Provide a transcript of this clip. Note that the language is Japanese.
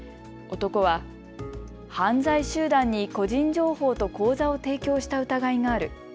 男は、犯罪集団に個人情報と口座を提供した疑いがある。